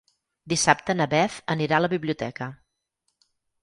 Dissabte na Beth anirà a la biblioteca.